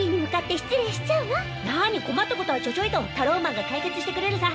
なに困ったことはちょちょいとタローマンが解決してくれるさ。